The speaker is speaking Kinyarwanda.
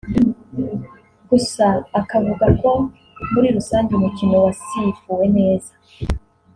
gusa akavuga ko muri rusange umukino wasifuwe neza